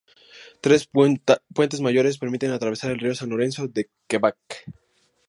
Tres puentes mayores permiten atravesar el río San Lorenzo en Quebec.